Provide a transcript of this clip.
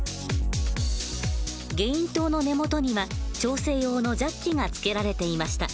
ゲイン塔の根元には調整用のジャッキが付けられていました。